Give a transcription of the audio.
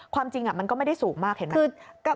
ความจริงมันก็ไม่ได้สูงมาก